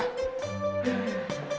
nanti aku jalan